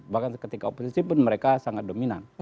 bahkan ketika oposisi pun mereka sangat dominan